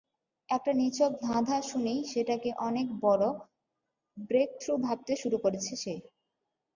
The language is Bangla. একটা নিছক ধাঁধাঁ শুনেই সেটাকে অনেক বড় ব্রেকথ্রু ভাবতে শুরু করেছে সে।